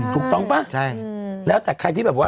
ถูกต้องป่ะใช่แล้วแต่ใครที่แบบว่า